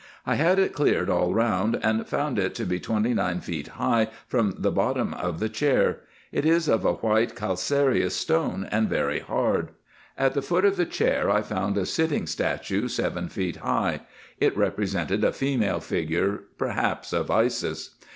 I had it cleared all round, and found it to be twenty nine feet high from the bottom of the chair ; it is of a white calcareous stone, and very hard. At the foot of the chair I found a sitting statue seven feet lrigh. It represented a female figure, perhaps of Isis.